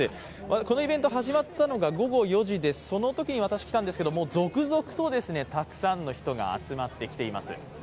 このイベント始まったのが午後４時でそのときに私、来たんですけど、続々とたくさんの人が集まってきています。